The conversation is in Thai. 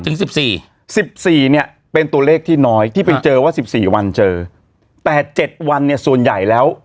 สิบสี่สิบสี่เนี่ยเป็นตัวเลขที่น้อยที่ไปเจอว่า๑๔วันเจอแต่๗วันเนี่ยส่วนใหญ่แล้ว